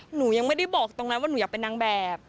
หนูยังไม่ได้บอกตรงนั้นว่าหนูอยากเป็นนางแบบ